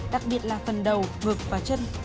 đặc biệt là phần đầu vực và chân